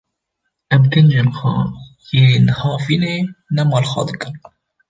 Em kincên xwe yên havînê nema li xwe dikin.